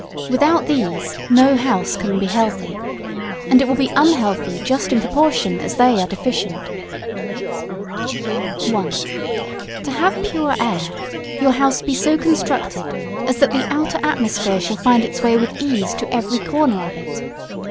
Without these, no house can be healthy. And it will be unhealthy just in proportion as they are deficient. [Sidenote: Pure air.] 1. To have pure air, your house be so constructed as that the outer atmosphere shall find its way with ease to every corner of it.